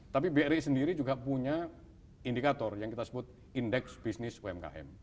tapi bri sendiri juga punya indikator yang kita sebut indeks bisnis umkm